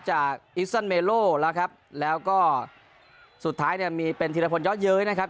จากจ้าแล้วก็สุดท้ายนี้มีเป็นธีรพญ๔๘เย้ยนะครับ